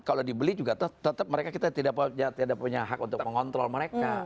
kalau dibeli juga tetap mereka kita tidak punya hak untuk mengontrol mereka